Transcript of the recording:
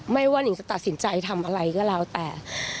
ไม่ว่านิงจะตัดสินใจทำอะไรก็แล้วแต่